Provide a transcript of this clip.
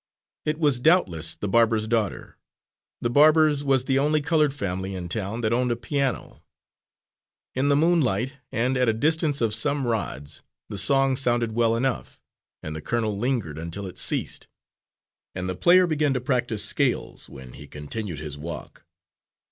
"_ It was doubtless the barber's daughter. The barber's was the only coloured family in town that owned a piano. In the moonlight, and at a distance of some rods, the song sounded well enough, and the colonel lingered until it ceased, and the player began to practise scales, when he continued his walk.